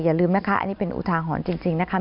อย่าลืมนะคะอันนี้เป็นอุทาหรณ์จริงนะคะ